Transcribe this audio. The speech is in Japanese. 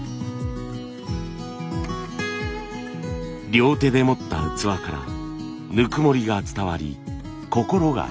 両手で持った器からぬくもりが伝わり心が安らぐ。